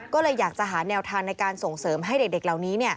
ก็เลยอยากจะหาแนวทางในการส่งเสริมให้เด็กเหล่านี้